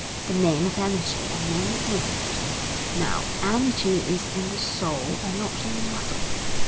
The men of energy are men of movement. Now energy is in the soul and not in the muscles.